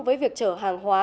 với việc chở hàng hóa